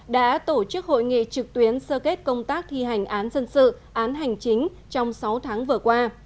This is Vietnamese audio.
đã tổ chức hội nghị trực tuyến sơ kết công tác thi hành án dân sự án hành chính trong sáu tháng vừa qua